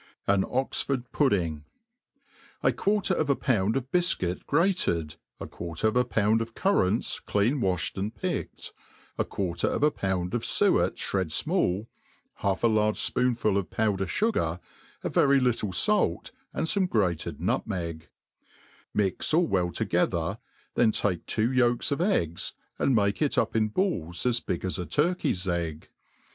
jfn Oxford Pudding. A quarter of a pound of bifcuit grated, a quarter of a pound of currants clean waflied and picked, a quarter of a pound of fuetfhred fmall, half a large fpoonful of powder fugar, a very little fait, and fome grated nutmeg ; mix all well ^together, tbeo take two yolks of eggs, and make it up in balls as big as a turkey's egg.